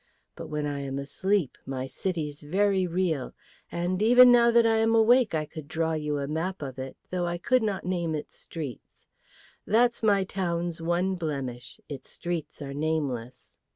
But when I am asleep my city's very real; and even now that I am awake I could draw you a map of it, though I could not name its streets. That's my town's one blemish. Its streets are nameless.